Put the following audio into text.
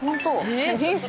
人生